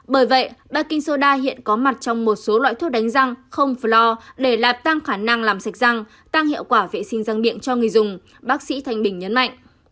bởi vậy bakingsoda hiện có mặt trong một số loại thuốc đánh răng không floor để làm tăng khả năng làm sạch răng tăng hiệu quả vệ sinh răng điện cho người dùng bác sĩ thanh bình nhấn mạnh